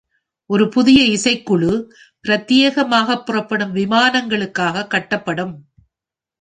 ஒரு புதிய இசைக்குழு பிரத்தியேகமாக புறப்படும் விமானங்களுக்காக கட்டப்படும்.